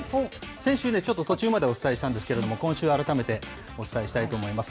先週、ちょっと途中までお伝えしたんですけれども、今週改めて、お伝えしたいと思います。